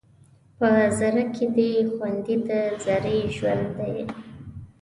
په ذره کې دې خوندي د ذرې ژوند دی